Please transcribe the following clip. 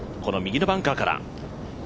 右のバンカーから。